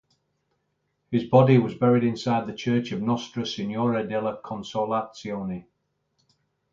His body was buried inside the church of Nostra Signora della Consolazione.